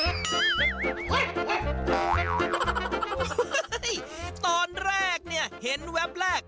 เฮ่ยตอนแรกเห็นแวบแรก